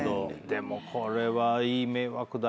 でもこれはいい迷惑だよね。